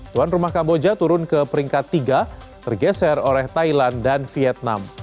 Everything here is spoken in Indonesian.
tuan rumah kamboja turun ke peringkat tiga tergeser oleh thailand dan vietnam